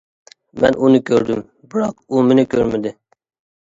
مەن ئۇنى كۆردۈم، بىراق ئۇ مېنى كۆرمىدى.